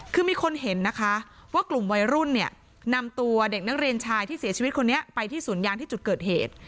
คือมีคนเห็นนะคะว่ากลุ่มวัยรุ่นเนี่ยนำตัวเด็กนักเรียนชายที่เสียชีวิตคนนี้ไปที่สวนยางที่จุดเกิดเหตุ